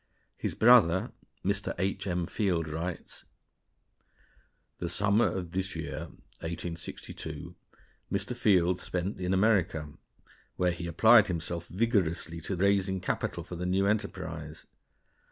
His brother, Mr. H. M. Field, writes: The summer of this year (1862) Mr. Field spent in America, where he applied himself vigorously to raising capital for the new enterprise.